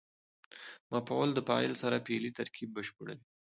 مفعول د فعل سره فعلي ترکیب بشپړوي.